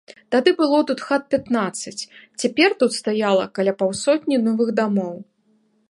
Тады было тут хат пятнаццаць, цяпер тут стаяла каля паўсотні новых дамоў.